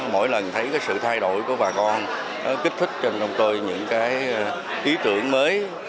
mỗi lần thấy sự thay đổi của bà con kích thích trong tôi những ý tưởng mới